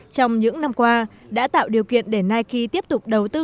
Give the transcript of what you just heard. trong những năm qua đã tạo điều kiện để nike tiếp tục đầu tư